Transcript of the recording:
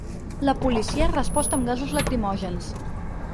La policia ha respost amb gasos lacrimògens.